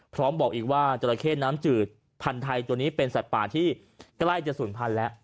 บอกอีกว่าจราเข้น้ำจืดพันธุ์ไทยตัวนี้เป็นสัตว์ป่าที่ใกล้จะศูนย์พันธุ์แล้ว